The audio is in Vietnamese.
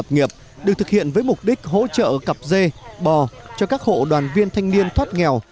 nghiệp được thực hiện với mục đích hỗ trợ cặp dê bò cho các hộ đoàn viên thanh niên thoát nghèo